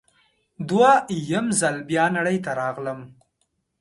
دوه یم ځل بیا نړۍ ته راغلم